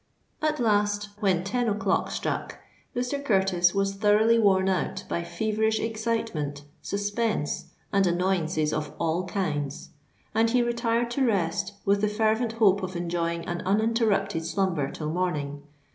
At last, when ten o'clock struck, Mr. Curtis was thoroughly worn out by feverish excitement, suspense, and annoyances of all kinds; and he retired to rest with the fervent hope of enjoying an uninterrupted slumber till morning.